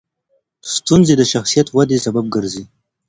ستونزې د شخصیت ودې سبب ګرځي.